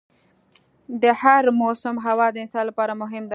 د هر موسم هوا د انسان لپاره مهم ده.